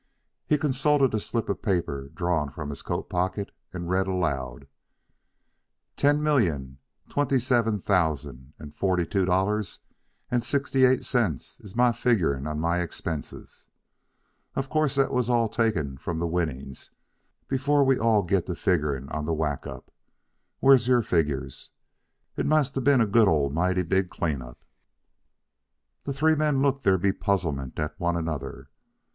He consulted a slip of paper, drawn from his coat pocket, and read aloud: "Ten million twenty seven thousand and forty two dollars and sixty eight cents is my figurin' on my expenses. Of course that all's taken from the winnings before we all get to figurin' on the whack up. Where's your figures? It must a' been a Goddle mighty big clean up." The three men looked their bepuzzlement at one another.